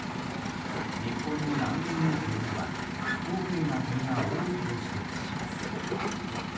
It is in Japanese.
日本の難民認定には不透明な点が多いと指摘します。